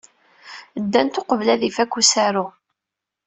Ddant uqbel ad ifak usaru.